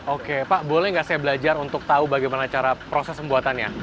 oke pak boleh nggak saya belajar untuk tahu bagaimana cara proses pembuatannya